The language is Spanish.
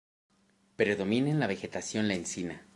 Predomina en la vegetación la encina.